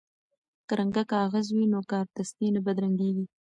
که رنګه کاغذ وي نو کارډستي نه بدرنګیږي.